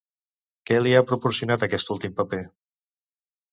Què li ha proporcionat aquest últim paper?